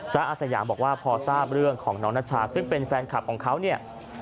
อาสยามบอกว่าพอทราบเรื่องของน้องนัชชาซึ่งเป็นแฟนคลับของเขาเนี่ย